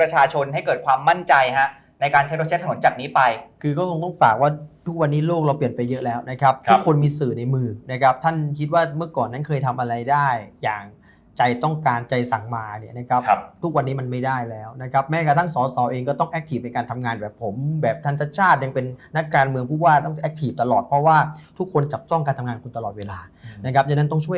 ให้เกิดความมั่นใจฮะในการแชร์โทรแชร์ถนนจากนี้ไปคือก็ต้องฝากว่าทุกวันนี้โลกเราเปลี่ยนไปเยอะแล้วนะครับทุกคนมีสื่อในมือนะครับท่านคิดว่าเมื่อก่อนนั้นเคยทำอะไรได้อย่างใจต้องการใจสั่งมาเนี่ยนะครับทุกวันนี้มันไม่ได้แล้วนะครับแม้กระทั่งสอสอเองก็ต้องแอคทีฟในการทำงานแบบผมแบบท่านชาติยัง